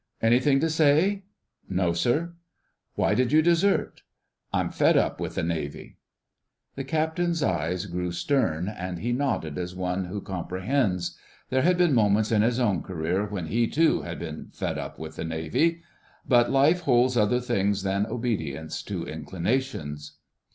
"Anything to say?" "No, sir." "Why did you desert?" "I'm fed up with the Navy." The Captain's eyes grew stern, and he nodded as one who comprehends. There had been moments in his own career when he too had been "fed up with the Navy." But life holds other things than obedience to inclinations.